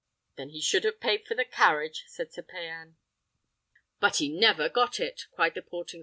"Then he should have paid for the carriage," said Sir Payan. "But he never got it!" cried the Portingal.